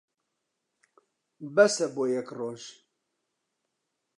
بەسە بۆ یەک ڕۆژ.